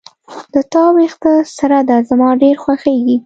د تا وېښته سره ده زما ډیر خوښیږي